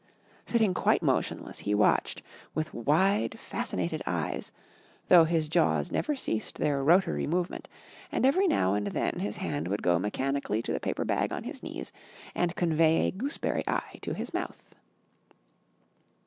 Sitting quite motionless, he watched, with wide, fascinated eyes, though his jaws never ceased their rotatory movement and every now and then his hand would go mechanically to the paper bag on his knees and convey a Gooseberry Eye to his mouth.